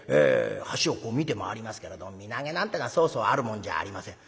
橋をこう見て回りますけれど身投げなんてのはそうそうあるもんじゃありません。